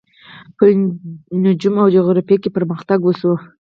په نجوم او جغرافیه کې پرمختګ وشو.